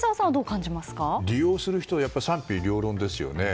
やっぱり利用する人は賛否両論ですよね。